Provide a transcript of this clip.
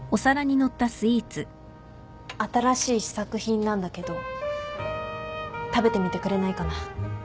新しい試作品なんだけど食べてみてくれないかな？